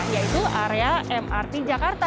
yaitu area mrt jakarta